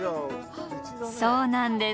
そうなんです。